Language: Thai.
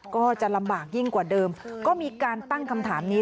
ก็จะลำบากยิ่งกว่าเดิมก็มีการตั้งคำถามนี้